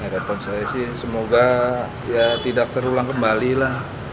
ya harapan saya sih semoga ya tidak terulang kembalilah